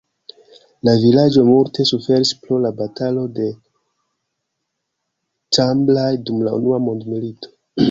La vilaĝo multe suferis pro la batalo de Cambrai dum la Unua mondmilito.